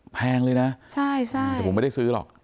แพงเลยนะแต่ผมไม่ได้ซื้อหรอก